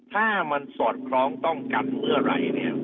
ถ้ามันสอดคล้องต้องกันเมื่อไหร่เนี่ย